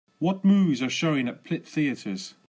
What movies are showing at Plitt Theatres.